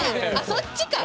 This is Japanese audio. そっちか！